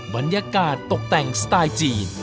บรรยากาศตกแต่งสไตล์จีน